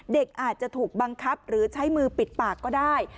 เด็กอาจจะถูกบังคับหรือใช้มือปิดปากก็ได้